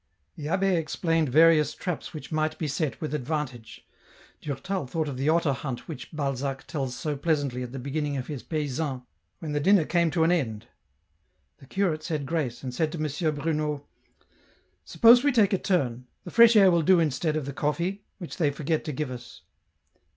The zhh6 explained various traps which might be set with advantage. Durtai thought of the otter hunt which Balzac tells so pleasantly at the beginning of his " Paysans," when the dinner came to an end. The curate said grace, and said to M. Bruno, " Suppose we take a turn ; the fresh air will do instead of the coffee, which they forget to give us."